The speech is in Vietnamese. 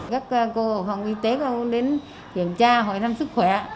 các cụ ở hồng y tế cũng đến kiểm tra hỏi thăm sức khỏe